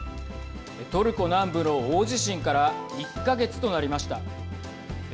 トルコ南部の大地震から１か月となりました。